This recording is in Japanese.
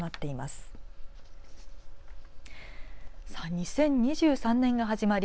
２０２３年が始まり